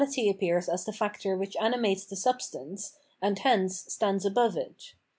469 Guilt and Destiny appears as the factor which animates the substance, and hence stands above it.